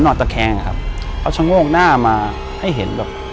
ผมนอนตะแคงครับเขาชะโง่งหน้ามาให้เห็นแบบ